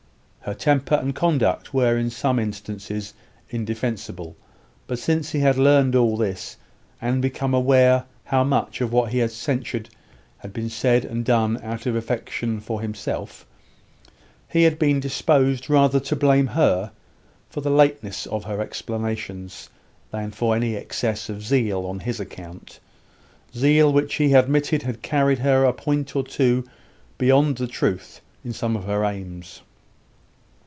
Her temper and conduct were in some instances indefensible; but since he had learned all this, and become aware how much of what he had censured had been said and done out of affection for himself, he had been disposed rather to blame her for the lateness of her explanations, than for any excess of zeal on his account, zeal which he admitted had carried her a point or two beyond the truth in some of her aims.